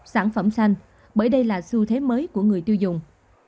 sản phẩm xanh bởi đây là xu thế mới của người tiêu dùng